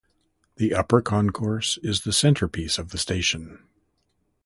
The upper concourse is the centrepiece of the station.